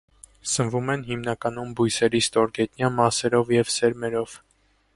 Սնվում են հիմնականում բույսերի ստորգետնյա մասերով և սերմերով։